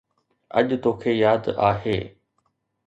اڄ توکي ياد آهي